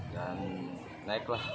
dan naik lah